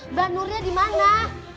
mbak nurnya dimana